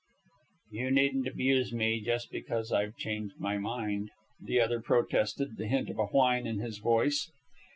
"You needn't abuse me just because I've changed my mind," the other protested, the hint of a whine in his voice.